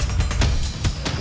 aku tak mau